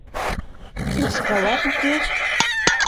Ушкалат уке?!